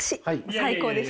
最高です。